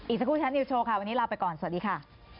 สักครู่ชั้นนิวโชว์ค่ะวันนี้ลาไปก่อนสวัสดีค่ะ